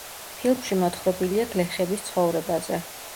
ფილმში მოთხრობილია გლეხების ცხოვრებაზე.